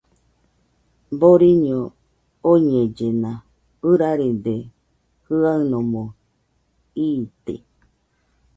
Boriño oñellena, ɨrarede jɨanomo iite..